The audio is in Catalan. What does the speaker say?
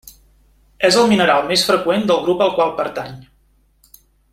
És el mineral més freqüent del grup al qual pertany.